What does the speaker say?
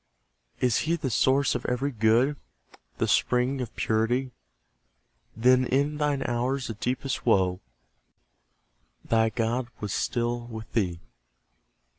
Is He the source of every good, The spring of purity? Then in thine hours of deepest woe, Thy God was still with thee.